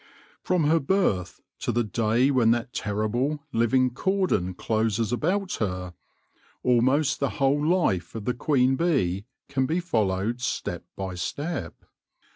From her birth to the day when that terrible, living cordon closes about her, almost the whole life of the queen bee can be followed step by step.